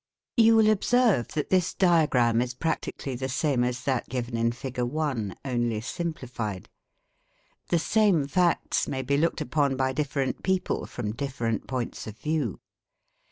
You will observe that this diagram is practically the same as that given in Fig. 1, only simplified. The same facts may be looked upon by different people from different points of view.